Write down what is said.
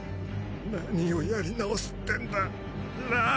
何をやり直すってんだなァ！？